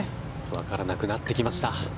わからなくなってきました。